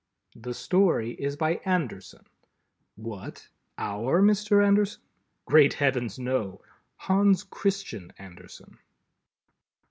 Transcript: The Story is by "Anderson." What, our Mr. Anderson? Great Heavens, no! Hans Christian Andersen.